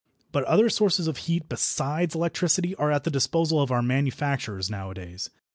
But other sources of heat besides electricity are at the disposal of our manufacturers nowadays.